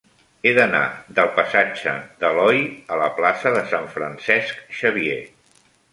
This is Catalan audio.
He d'anar del passatge d'Aloi a la plaça de Sant Francesc Xavier.